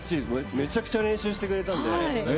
めちゃくちゃ練習してくれたんで。